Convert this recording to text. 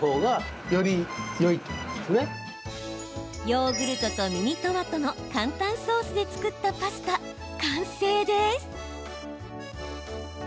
ヨーグルトとミニトマトの簡単ソースで作ったパスタ完成です。